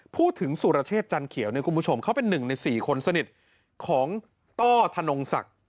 สุรเชษจันเขียวเนี่ยคุณผู้ชมเขาเป็น๑ใน๔คนสนิทของต้อธนงศักดิ์